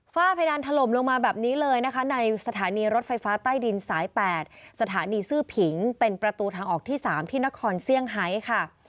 เพดานถล่มลงมาแบบนี้เลยนะคะในสถานีรถไฟฟ้าใต้ดินสาย๘สถานีซื้อผิงเป็นประตูทางออกที่๓ที่นครเซี่ยงไฮค่ะ